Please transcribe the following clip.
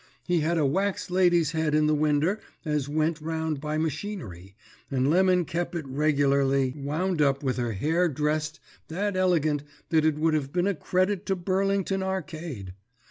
He had a wax lady's head in the winder as went round by machinery, and Lemon kep it regularly wound up with her hair dressed that elegant that it would have been a credit to Burlington Arcade.